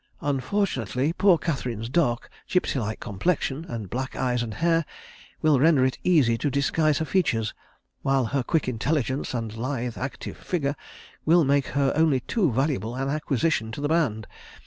Unfortunately poor Catherine's dark, gipsy like complexion, and black eyes and hair, will render it easy to disguise her features, while her quick intelligence and lithe, active figure, will make her only too valuable an acquisition to the band.